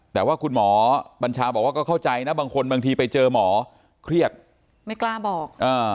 แต่ว่าคุณหมอบัญชาบอกว่าก็เข้าใจนะบางคนบางทีไปเจอหมอเครียดไม่กล้าบอก